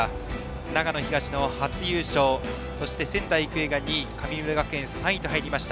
長野東の初優勝そして仙台育英が２位神村学園、３位と入りました。